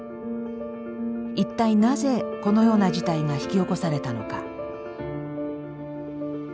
一体なぜこのような事態が引き起こされたのか。